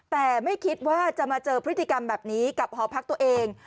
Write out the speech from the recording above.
แต่ไม่คิดว่าจะมาเจอพฤติกรรมแบบนี้กับหอพักตัวเอง